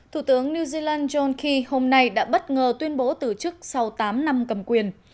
thủ tướng new zealand johnky hôm nay đã bất ngờ tuyên bố từ chức sau tám năm cầm quyền